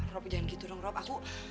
robin jangan gitu dong rob aku